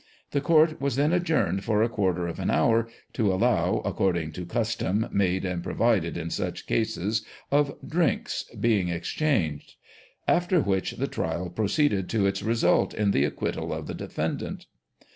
The court was then adjourned for a quarter of an hour, to allow, according to custom made and provided in such cases, of " drinks " being exchanged ; after which the trial pro ceeded to its result in the acquittal of the defendant.